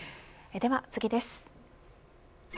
では次です。